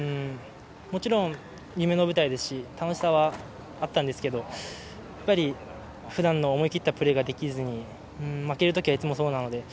もちろん、夢の舞台ですし、楽しさはあったんですけど、やっぱり、ふだんの思い切ったプレーができずに、負けるときはいつもそうなので。